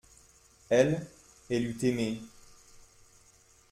Elle, elle eut aimé.